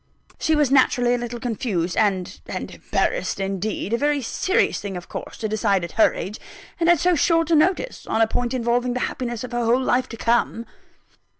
She was naturally a little confused and and embarrassed, indeed. A very serious thing of course, to decide at her age, and at so short a notice, on a point involving the happiness of her whole life to come."